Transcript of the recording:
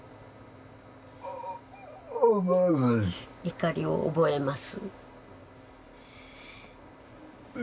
「怒りを覚えます」